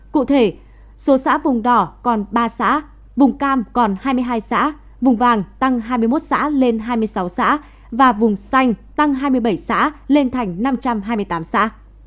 cụ thể số xã vùng đỏ còn ba xã vùng cam còn hai mươi hai xã vùng vàng tăng hai mươi một xã lên hai mươi sáu xã và vùng xanh tăng hai mươi bảy xã lên thành năm trăm hai mươi tám xã